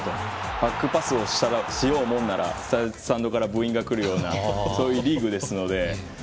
バックパスをしようものならスタンドからブーイングが来るようなそういうリーグですので。